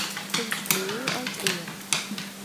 Villicht meh àls ìhr.